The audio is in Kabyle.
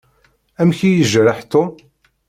Amek i yejreḥ Tom?